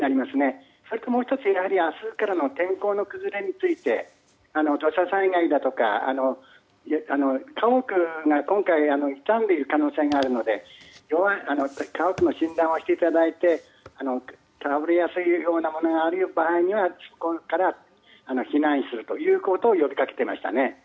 それともう１つ明日からの天候の崩れについて土砂災害だとか、家屋が今回傷んでいる可能性があるので家屋の診断をしていただいて倒れやすいものがある場合はそこから避難するということを呼びかけていましたね。